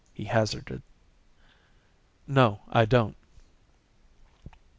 he hazarded. "No, I don't."